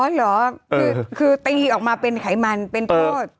เหรอคือตีออกมาเป็นไขมันเป็นโทษ